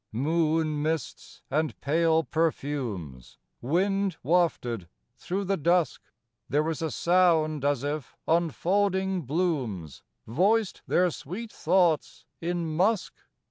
Moon mists and pale perfumes, Wind wafted through the dusk: There is a sound as if unfolding blooms Voiced their sweet thoughts in musk.